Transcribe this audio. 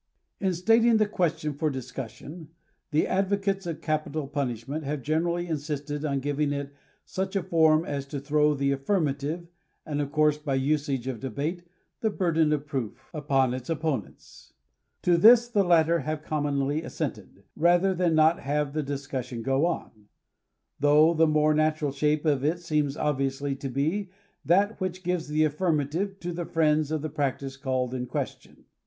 In stating the question for discussion, the advocates of capital pnnishment have generally insisted on giving it such a form as to throw the affirmative, and of course, hy the usages of debate, the burden of proof, upon its opponents. To this the latter have commonly assented, rather than not have the discussion go on ; though the more natural shape of it seems obviously to' be that ^which gives the affirmative to the friends of the practice called in question.